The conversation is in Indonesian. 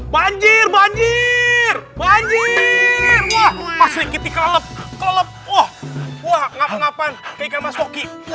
banjir banjir banjir wah masri kitty kelep kelep wah ngapan ngapan ke ikan mas koki